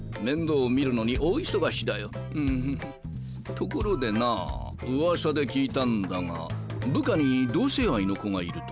ところでなうわさで聞いたんだが部下に同性愛の子がいるとか。